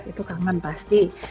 itu kangen pasti